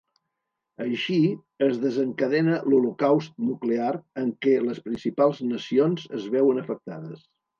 Així, es desencadena l'holocaust nuclear en què les principals nacions es veuen afectades.